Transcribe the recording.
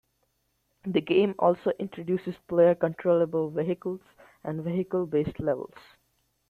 The game also introduces player-controllable vehicles and vehicle-based levels.